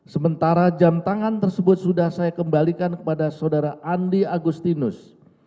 sementara jam tangan tersebut sudah saya kembalikan kepada saudara andi agustinus